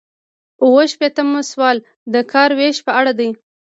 اووه شپیتم سوال د کار ویش په اړه دی.